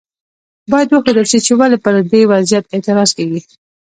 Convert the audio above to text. باید وښودل شي چې ولې پر دې وضعیت اعتراض کیږي.